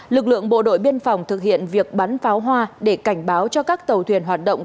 lực lượng bộ đội biên phòng thực hiện việc bắn pháo hoa để cảnh báo cho các tàu thuyền hoạt động